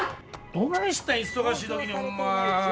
どないしたん忙しい時にホンマ。